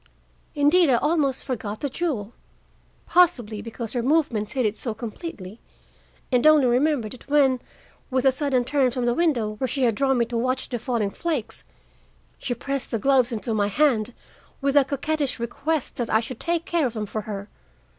Indeed, I almost forgot the jewel, possibly because her movements hid it so completely, and only remembered it when, with a sudden turn from the window where she had drawn me to watch the falling flakes, she pressed the gloves into my hand with the coquettish request that I should take care of them for her.